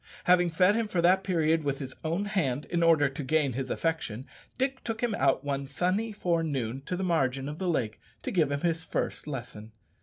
Having fed him for that period with his own hand, in order to gain his affection, Dick took him out one sunny forenoon to the margin of the lake to give him his first lesson.